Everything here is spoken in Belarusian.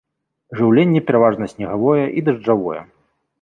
Жыўленне пераважна снегавое і дажджавое.